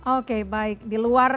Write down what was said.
oke baik di luar